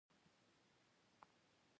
د محکمې پرېکړه عملي شوه.